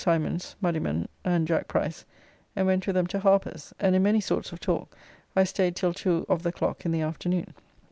Simons, Muddiman, and Jack Price, and went with them to Harper's and in many sorts of talk I staid till two of the clock in the afternoon.